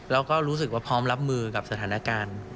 แล้วก็รู้สึกว่าพร้อมรับมือกับสถานการณ์